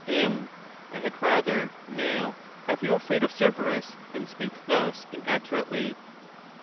M. Vhad rather now have you afraid of Cerberus than speak thus inaccurately.